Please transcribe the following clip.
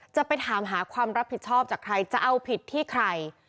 จะไปถามหาความรับผิดชอบจากใครจะเอาผิดที่ใคร